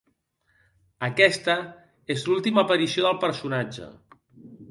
Aquesta és l'última aparició del personatge.